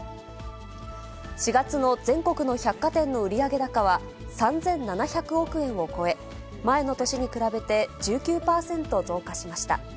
４月の全国の百貨店の売上高は、３７００億円を超え、前の年に比べて、１９％増加しました。